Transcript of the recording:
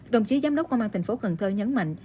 đồng chí giám đốc công an thành phố cần thơ nhấn mạnh